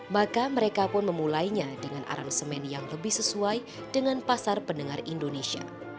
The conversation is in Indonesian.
maka mereka pun memulainya dengan aransemen yang lebih sesuai dengan pasar pendengar indonesia